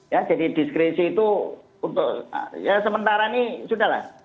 ya jadi diskresi itu untuk ya sementara ini sudah lah